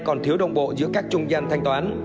còn thiếu đồng bộ giữa các trung gian thanh toán